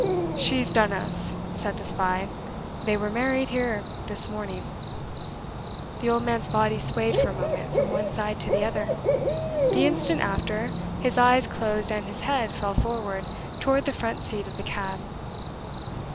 "She's done us," said the spy. "They were married here this morning." The old man's body swayed for a moment from one side to the other. The instant after, his eyes closed and his head fell forward toward the front seat of the cab.